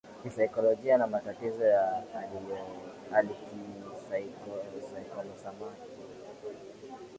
kisaikolojia na matatizo ya akilikisaikosomati